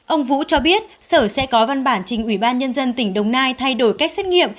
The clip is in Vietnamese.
ông vũ cho biết sở sẽ có văn bản trình ủy ban nhân dân tỉnh đồng nai thay đổi cách xét nghiệm